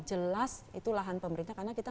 jelas itu lahan pemerintah karena kita